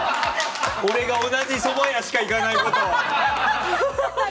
俺が同じそば屋しか行かないこと！